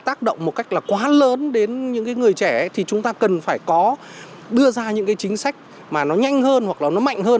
nếu mà nó tác động một cách là quá lớn đến những cái người trẻ thì chúng ta cần phải có đưa ra những cái chính sách mà nó nhanh hơn hoặc là nó mạnh hơn